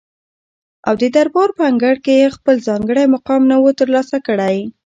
او ددربار په انګړ کي یې خپل ځانګړی مقام نه وو تر لاسه کړی